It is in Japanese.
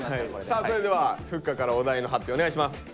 さあそれではふっかからお題の発表お願いします。